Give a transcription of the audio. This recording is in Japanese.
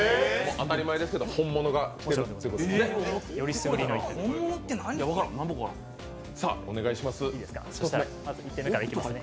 当たり前ですけど本物が来てるんですよね。